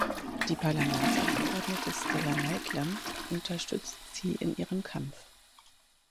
Die Parlamentsabgeordnete Stella Maitland unterstützt sie in ihrem Kampf.